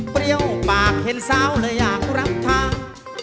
เปรี้ยวปากเห็นสาวเลยอยากรับทาง